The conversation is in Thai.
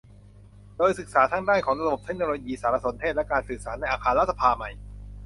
โดยศึกษาทั้งด้านของระบบเทคโนโลยีสารสนเทศและการสื่อสารในอาคารรัฐสภาใหม่